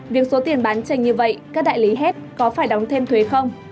việc số tiền bán tranh như vậy các đại lý hết có phải đóng thêm thuế không